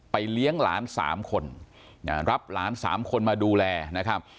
เลี้ยงหลาน๓คนรับหลาน๓คนมาดูแลนะครับ